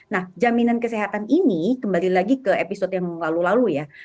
nah jaminan kesehatan ini kembali lagi ke episode yang lalu lalu ya